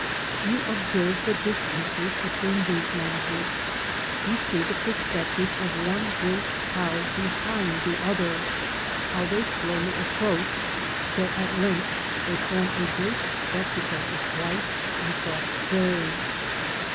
You observe the distances between these masses; you see the perspective of one great cloud behind the other, how they slowly approach, till at length they form a great spectacle of white and soft grey.